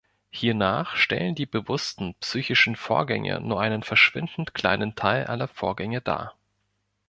Hiernach stellen die bewussten psychischen Vorgänge nur einen verschwindend kleinen Teil aller Vorgänge dar.